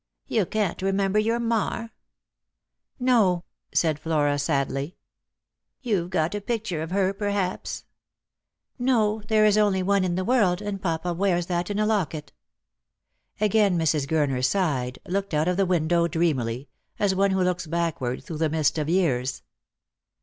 " You can't remember your mar ?"" No,'' said Flora sadly. " You've got a picture of her, perhaps ?"" No, there is only one in the world, and papa wears that in a locket." Again Mrs. Gurner sighed, looked out of the window dreamily, as one who looks backward through the mist of years.